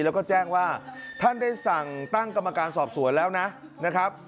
แล้วก็แจ้งว่าท่านได้สั่งตั้งกรรมการสอบสวนแล้วนะครับ